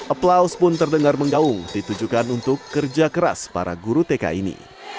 aplaus pun terdengar menggaung ditujukan untuk kerja keras para guru tk ini